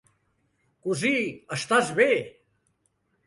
Cosí, estàs bé!